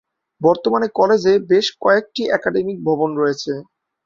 বর্তমানে কলেজে বেশ কয়েকটি একাডেমিক ভবন রয়েছে।